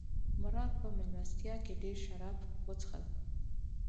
مراد په مېلمستیا کې ډېر شراب وڅښل.